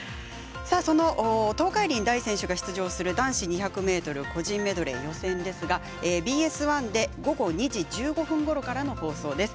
その東海林大選手が出場する男子２００ｍ個人メドレー予選ですがＢＳ１で午後２時１５分ごろからの放送です。